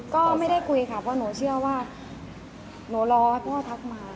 ก็ไม่ได้คุยค่ะเพราะหนูเชื่อว่าหนูรอให้พ่อทักมา